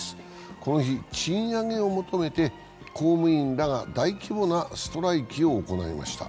この日、賃上げを求めて公務員らが大規模なストライキを行いました。